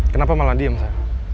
kenapa malah diem sa